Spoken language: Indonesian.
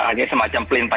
agak semacam pelintas